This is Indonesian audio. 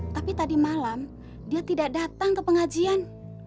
tapi tadi malam dia tidak datang ke pengajian